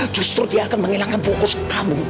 justru dia akan menghilangkan fokus kamu